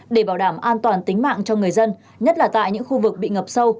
để bảo đảm an toàn tính mạng cho người dân nhất là tại những khu vực bị ngập sâu